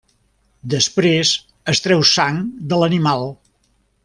Després, es treu sang de l'animal.